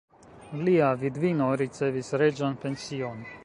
Lia vidvino ricevis reĝan pension.